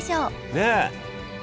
ねえ！